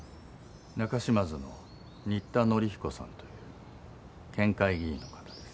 中島津の新田徳彦さんという県会議員の方です。